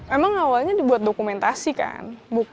emang awalnya dibuat dokumentasi kan